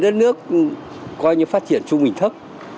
đất nước coi như phát triển trung bình thấp